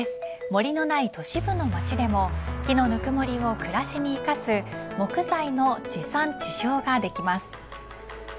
森のない都市部の街でも木のぬくもりを暮らしに生かす木材の地産地消ができます。